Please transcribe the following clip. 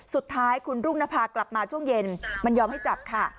สุดท้ายคุณรุ่งนภากลับมาช่วงเย็นมันยอมให้จับค่ะ